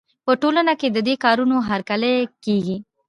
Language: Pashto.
په ټولنه کې د دې کارونو هرکلی کېږي.